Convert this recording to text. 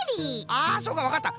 あそうかわかった！